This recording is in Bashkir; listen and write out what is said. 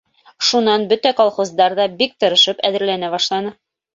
Шунан бөтә колхоздар ҙа бик тырышып әҙерләнә башланы.